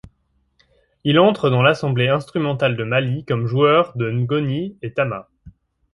Il entre dans l'Assemblée instrumentale de Mali comme joueur de Ngoni et Tama.